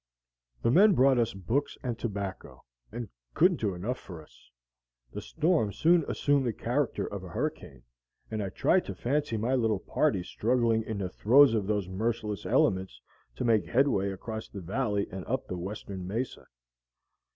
The men brought us books and tobacco, and couldn't do enough for us. The storm soon assumed the character of a hurricane; and I tried to fancy my little party struggling in the throes of those merciless elements to make headway across the valley and up the western mesa.